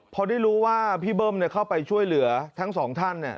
พอได้รู้ว่าพี่เบิ้มเข้าไปช่วยเหลือทั้งสองท่านเนี่ย